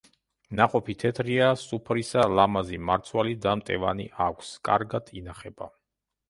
ნაყოფი თეთრია, სუფრისა, ლამაზი მარცვალი და მტევანი აქვს, კარგად ინახება.